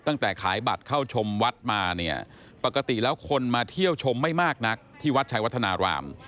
ตั้งแต่ขายบัตรเข้าชมวัดมาเนี่ยปกติแล้วคนมาเที่ยวชมไม่มากนักที่วัดชัยวัฒนาราม